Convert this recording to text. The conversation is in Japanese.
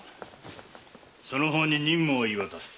その方に任務を言い渡す。